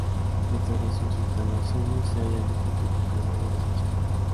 Dentro de sus instalaciones se halla el Instituto Canario de Ciencias Marinas.